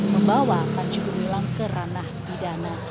membawa panji gumilang ke ranah pidana